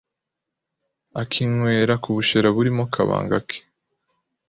akinywera ku bushera burimo ka kabanga ke,